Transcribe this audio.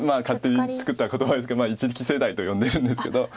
勝手に作った言葉ですけど「一力世代」と呼んでるんですけど。